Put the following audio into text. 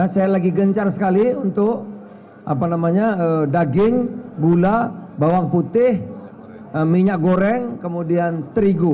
saya lagi gencar sekali untuk daging gula bawang putih minyak goreng kemudian terigu